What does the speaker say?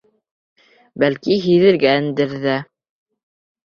Бәлки, һиҙенгәндер ҙә.